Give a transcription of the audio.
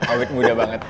amit muda banget